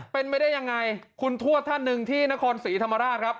เป็นไปได้ยังไงคุณทวดท่านหนึ่งที่นครศรีธรรมราชครับ